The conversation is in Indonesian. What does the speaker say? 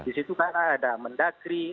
di situ kan ada mendagri